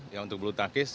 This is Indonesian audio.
yang untuk belutangkis